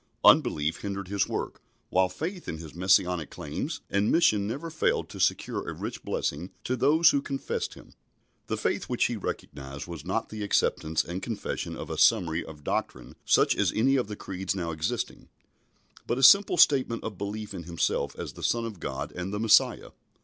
Unbelief hindered His work, while faith in His Messianic claims and mission never failed to secure a rich blessing to those who confessed Him. The faith which He recognised was not the acceptance and confession of a summary of doctrine such as any of the Creeds now existing, but a simple statement of belief in Himself as the Son of God and the Messiah.